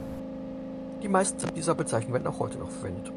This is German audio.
Die meisten dieser Bezeichnungen werden auch heute noch verwendet.